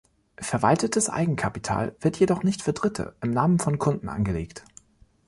Verwaltetes Eigenkapital wird jedoch nicht für Dritte, im Namen von Kunden, angelegt.